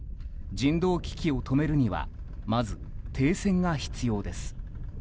人道危機を止めるにはまず停戦が必要です。